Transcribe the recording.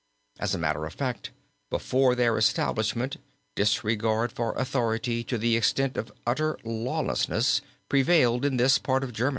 As a matter of fact, before their establishment disregard for authority to the extent of utter lawlessness prevailed in this part of Germany.